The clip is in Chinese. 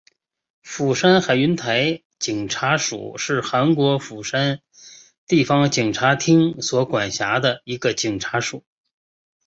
釜山海云台警察署是韩国釜山地方警察厅所管辖的一个警察署。